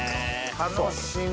楽しみ！